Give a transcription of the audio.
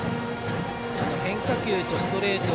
変化球とストレート